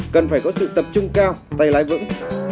cần phải có sự tập trung cao tay lái vững